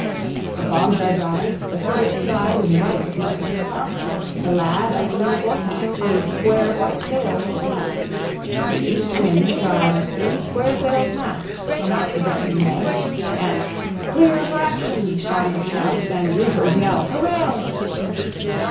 The fogs are dried, the frigate's side is bright with melting tar, The lad up in the foretop sees square white sails afar; The east wind drives three square sailed masts from out the Breton bay, And "Clear for action!" Farmer shouts, and reefers yell "Hooray!"